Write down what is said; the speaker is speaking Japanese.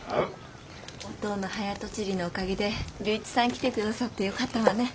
おとうの早とちりのおかげで龍一さん来て下さってよかったわね。